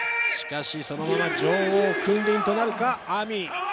そのまま女王君臨となるか、ＡＭＩ。